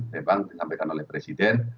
memang disampaikan oleh presiden